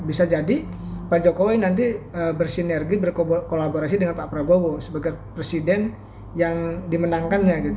bisa jadi pak jokowi nanti bersinergi berkolaborasi dengan pak prabowo sebagai presiden yang dimenangkannya